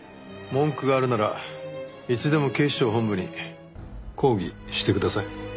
文句があるならいつでも警視庁本部に抗議してください。